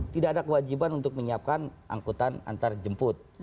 tidak ada kewajiban untuk menyiapkan angkutan antar jemput